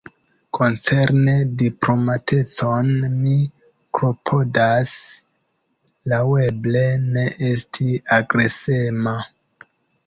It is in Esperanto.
Koncerne diplomatecon, mi klopodas, laŭeble, ne esti agresema.